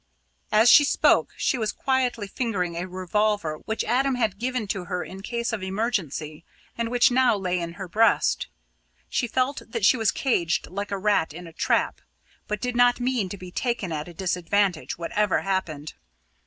As she spoke, she was quietly fingering a revolver which Adam had given to her in case of emergency and which now lay in her breast. She felt that she was caged like a rat in a trap, but did not mean to be taken at a disadvantage, whatever happened.